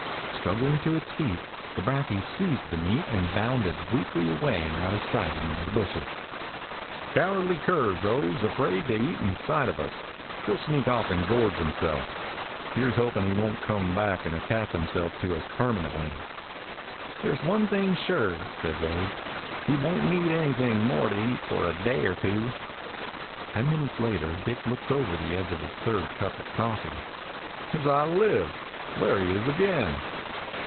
Struggling to its feet, the brakje seized the meat and bounded weakly away out of sight among the bushes. "Cowardly curs, those. Afraid to eat it in sight of us. He 'll sneak off and gorge him 187 DOG HEROES OF MANY LANDS self. Here 's hoping he won't come back and attach himself to us permanently." "There 's one thing sure," said Wade. "He won't need anything more to eat for a day or two." Ten minutes later Dick looked over the edge of his third cup of coffee. "As I live, he's there again!"